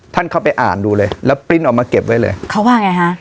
เข้าไปอ่านดูเลยแล้วปริ้นออกมาเก็บไว้เลยเขาว่าไงฮะ